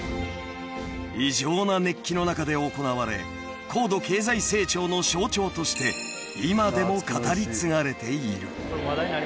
［異常な熱気の中で行われ高度経済成長の象徴として今でも語り継がれている］